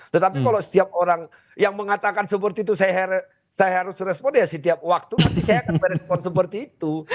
tetapi kalau setiap orang yang mengatakan seperti itu saya harus respon ya setiap waktu nanti saya akan merespon seperti itu